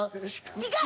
違う！